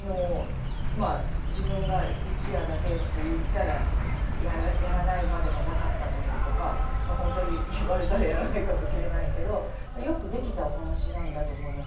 まあ自分が一夜だけって言ったらやらないまでもなかったのにとか本当に言われたらやらないかもしれないけどよく出来たお話なんだと思います